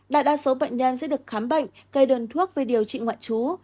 đại đa số bệnh nhân sẽ được khám bệnh gây đơn thuốc với điều trị ngoại trú